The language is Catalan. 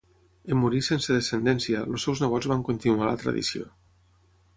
En morir sense descendència, els seus nebots van continuar la tradició.